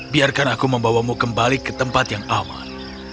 biarkan aku membawamu kembali ke tempat yang aman